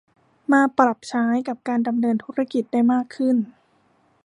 มาปรับใช้กับการดำเนินธุรกิจได้มากขึ้น